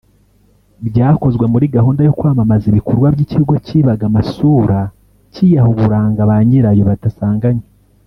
Byakozwe muri gahunda yo kwamamaza ibikorwa by’ikigo kibaga amasura kiyaha uburanga ba nyirayo badasanganwe